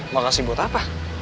makasih buat apa